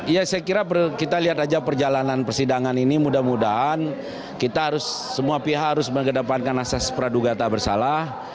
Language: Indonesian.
ya saya kira kita lihat aja perjalanan persidangan ini mudah mudahan kita harus semua pihak harus mengedepankan asas peraduga tak bersalah